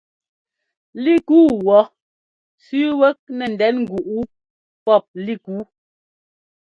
Lík yú wɔ̌ sẅíi wɛ́k nɛ ndɛn ŋgúꞌ wú pɔ́p lík yu.